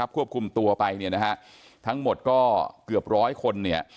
ควบคุมตัวไปทั้งหมดก็เกือบร้อยคน